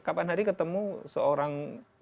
kapan hari ketemu seorang